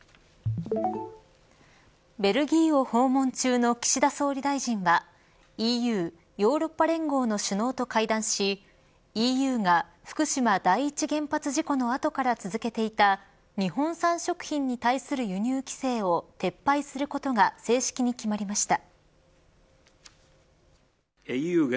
ベルギーを訪問中の岸田総理大臣がＥＵヨーロッパ連合の首脳と会談しＥＵが福島第一原発事故の後から続けていた日本産食品に対する輸入規制を撤廃することが正式に決まりました。